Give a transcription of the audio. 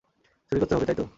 চুরি করতে হবে, তাই তো?